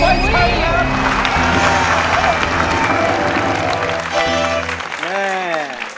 ไม่ใช้นะครับ